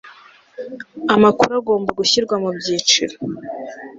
amakuru agomba gushyirwa mu byiciro